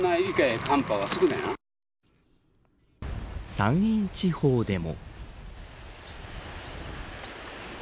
山陰地方でも。